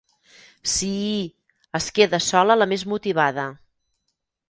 Síííí —es queda sola la més motivada.